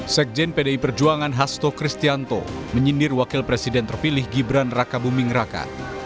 sekjen pdi perjuangan hasto kristianto menyindir wakil presiden terpilih gibran raka buming raka